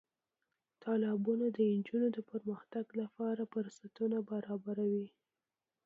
تالابونه د نجونو د پرمختګ لپاره فرصتونه برابروي.